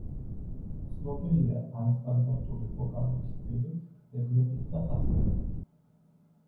ცნობილია არასტანდარტული ვოკალური სტილით, გარეგნობით და ხასიათით.